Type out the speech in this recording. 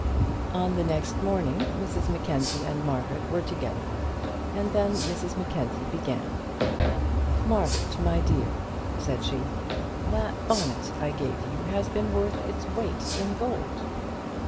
On the next morning Mrs Mackenzie and Margaret were together, and then Mrs Mackenzie began: "Margaret, my dear," said she, "that bonnet I gave you has been worth its weight in gold."